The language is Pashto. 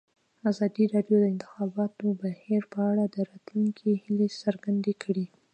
ازادي راډیو د د انتخاباتو بهیر په اړه د راتلونکي هیلې څرګندې کړې.